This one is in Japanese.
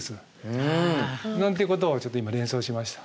なんていうことをちょっと今連想しました。